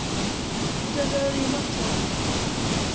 It was early in October.